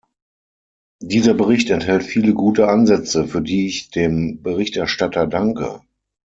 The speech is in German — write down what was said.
Dieser Bericht enthält viele gute Ansätze, für die ich dem Berichterstatter danke.